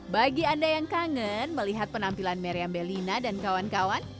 bagi anda yang kangen melihat penampilan meriam belina dan kawan kawan